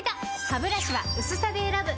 ハブラシは薄さで選ぶ！